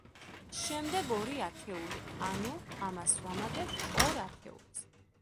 შემდეგ, ორი ათეული, ანუ ამას ვუმატებთ ორ ათეულს.